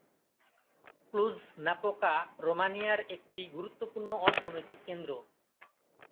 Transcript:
Cluj-Napoca রোমানিয়ার একটি গুরুত্বপূর্ণ অর্থনৈতিক কেন্দ্র।